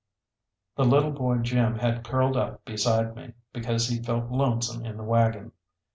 The little boy Jim had curled up beside me because he felt lonesome in the waggon.